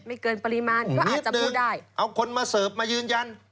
เกินปริมาณก็อาจจะพูดได้เอาคนมาเสิร์ฟมายืนยัน